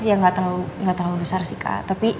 yang gak terlalu besar sih kak